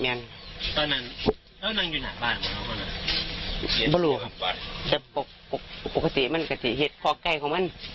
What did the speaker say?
ไม่รู้ครับแต่ปกติค่ะข้อไม่จริงกับรูของมัน